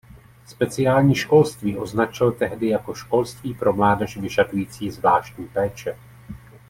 Speciální školství označil tehdy jako „školství pro mládež vyžadující zvláštní péče“.